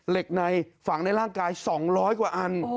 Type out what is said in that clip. เหล็กในฝังในร่างกาย๒๐๐กว่าอัน